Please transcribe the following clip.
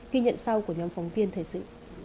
ghi nhận sau của nhóm phóng viên thời sự